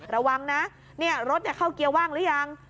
ระวังนะรถเข้าเกียร์ว่างหรือยัง